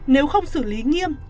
nếu không xử lý nghiêm